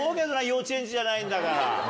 幼稚園児じゃないんだから。